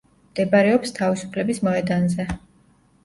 მდებარეობს თავისუფლების მოედანზე.